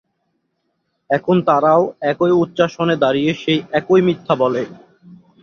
এখন তারাও একই উচ্চাসনে দাঁড়িয়ে সেই একই মিথ্যা বলে।